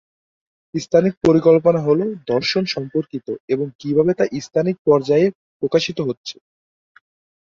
স্থানিক পরিকল্পনা হলো দর্শন সম্পর্কিত এবং কিভাবে তা স্থানিক পর্যায়ে প্রকাশিত হচ্ছে।